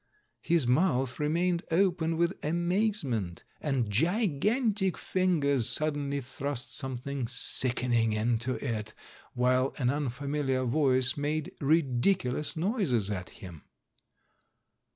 His mouth remained open with amazement, and gigantic fingers suddenly thrust something sickening into it, while an unfamiliar voice made ridiculous noises at him.